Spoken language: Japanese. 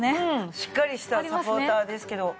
しっかりしたサポーターですけど。